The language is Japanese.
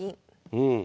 うん。